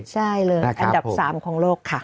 ใช่เลยอันดับ๓ของโลกค่ะ